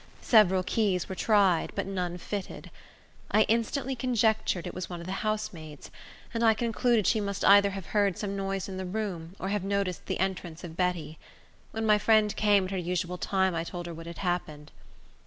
Several keys were tried, but none fitted. I instantly conjectured it was one of the housemaids; and I concluded she must either have heard some noise in the room, or have noticed the entrance of Betty. When my friend came, at her usual time, I told her what had happened.